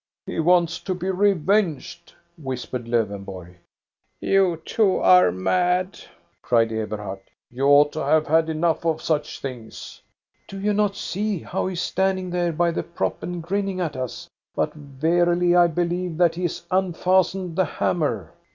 " He wants to be revenged," whispered Lowenborg. " You too are mad !" cried Eberhard. " You ought to have had enough of such things." MARGARETA CELSING 461 I" Do you not see how he is standing there by the prop and grinning at us? But. verily, I believe that he has unfastened the hammer."